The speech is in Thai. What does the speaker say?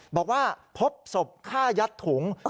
บอกว่าพบศพฆ่ายัดถุง